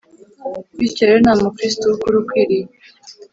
Bityo rero nta Mukristo w ukuri ukwiriye